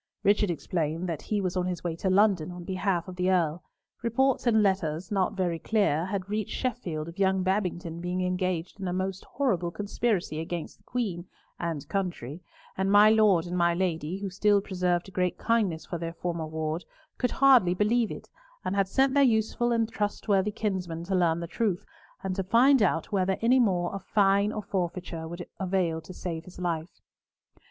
Richard explained that he was on his way to London on behalf of the Earl. Reports and letters, not very clear, had reached Sheffield of young Babington being engaged in a most horrible conspiracy against the Queen and country, and my Lord and my Lady, who still preserved a great kindness for their former ward, could hardly believe it, and had sent their useful and trustworthy kinsman to learn the truth, and to find out whether any amount of fine or forfeiture would avail to save his life.